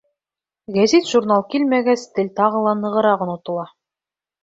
Гәзит-журнал килмәгәс, тел тағы ла нығыраҡ онотола.